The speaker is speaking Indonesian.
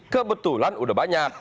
kebetulan sudah banyak